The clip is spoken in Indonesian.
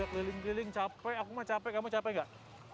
kita kan udah keliling keliling capek aku mah capek kamu capek nggak